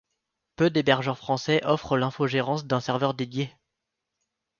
Peu d'hébergeurs français offrent l'infogérance d'un serveur dédié.